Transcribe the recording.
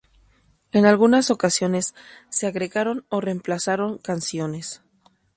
En algunas ocasiones se agregaron o reemplazaron canciones.